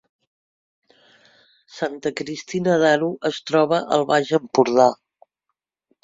Santa Cristina d’Aro es troba al Baix Empordà